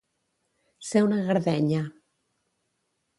Ser una gardenya.